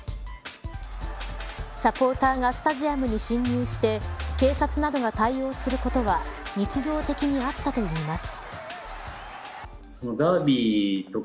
サポーターがスタジアムに侵入して警察などが対応することは日常的にあったといいます。